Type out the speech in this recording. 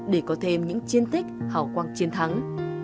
để có thêm những chiến tích hào quang chiến thắng